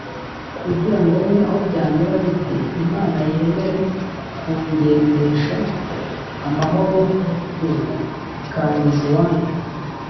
kugira ngo naho byamera bite, Imana yemere kungendesha amahoro ubu ikangeza iwanyu